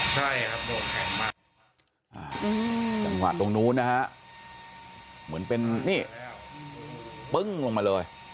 จังหวะตรงนู้นนะฮะเหมือนเป็นนี่ปึ้งลงมาเลย